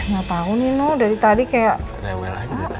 gak tau nih noh dari tadi kayak